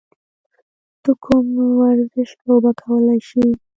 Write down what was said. ته کوم ورزش لوبه کولی شې؟